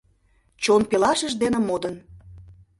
Чон пелашыж дене модын.